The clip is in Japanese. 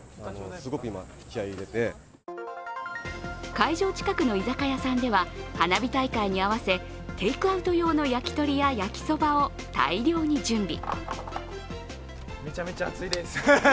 会場近くの居酒屋さんでは花火大会に合わせ、テイクアウト用の焼き鳥や焼きそばを大量に準備。